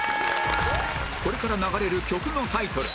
これから流れる曲のタイトル